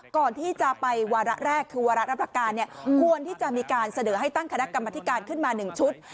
ก่อนที่จะไปวาระแรกคือวาระรับประการควรที่จะมีการเสนอให้ตั้งคณะกรรมธิการขึ้นมา๑ชุด